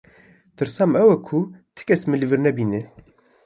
Tirsa min ew e ku ti kes min li vir nebîne.